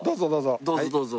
どうぞどうぞ。